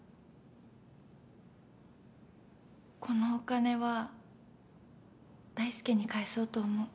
このお金は大介に返そうと思う。